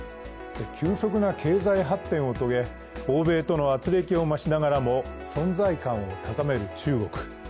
急速な経済発展を遂げ欧米とのあつれきを増しながらも存在感を高める中国。